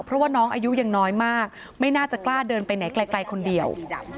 เพราะว่าน้องอายุยังน้อยมากไม่น่าจะกล้าเดินไปไหนไกลคนเดียว